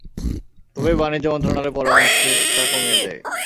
তবে বাণিজ্য মন্ত্রণালয়ের পরামর্শে তা কমিয়ে দেয়।